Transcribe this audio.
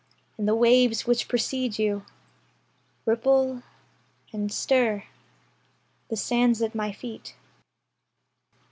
And the waves which precede you Ripple and stir The sands at my feet.